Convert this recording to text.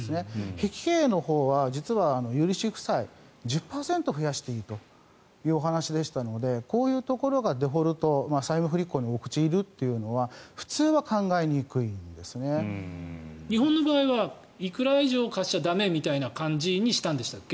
碧桂園のほうは実は有利子負債１０％増やしていいという話でしたのでこういうところがデフォルト債務不履行に陥るというのは日本の場合はいくら以上は貸しちゃ駄目みたいな感じにしたんでしたっけ。